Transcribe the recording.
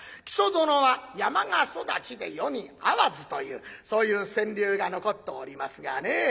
「木曽殿は山家育ちで世に合わず」というそういう川柳が残っておりますがね。